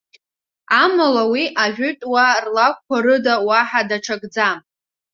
Амала уи, ажәытәуаа рлакәқәа рыда уаҳа даҽакӡам.